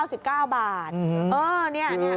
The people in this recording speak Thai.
อื้อนี่